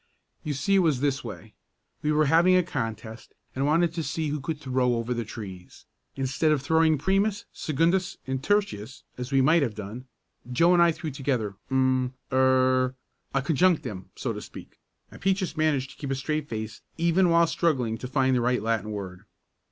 "You see it was this way: We were having a contest, and wanted to see who could throw over the trees. Instead of throwing primus, secondus, and tertius as we might have done, Joe and I threw together um er ah conjunctim so to speak," and Peaches managed to keep a straight face even while struggling to find the right Latin word.